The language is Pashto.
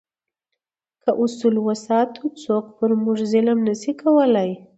که اصول وساتو، څوک پر موږ ظلم نه شي کولای.